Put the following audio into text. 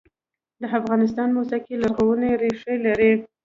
د افغانستان موسیقي لرغونې ریښې لري